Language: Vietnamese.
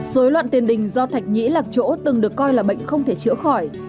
dối loạn tiền đình do thạch nhĩ làm chỗ từng được coi là bệnh không thể chữa khỏi